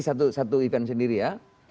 satu event sendiri ya